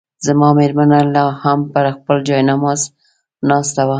زما مېرمنه لا هم پر خپل جاینماز ناسته وه.